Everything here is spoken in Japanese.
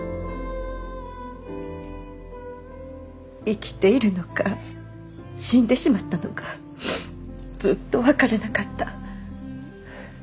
生きているのか死んでしまったのかずっと分からなかった。